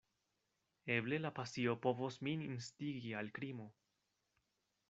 Eble la pasio povos min instigi al krimo.